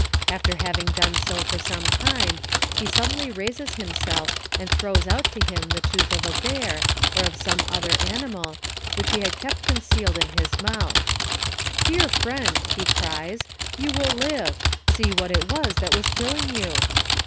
After having done so for some time, he suddenly raises himself and tlirows out to him tlic tootli of a bear, or of some otlier animal, which he had kept concealed in his mouth. ' Dear friend,' he cries, 'you will live. See what it was that was killing you!'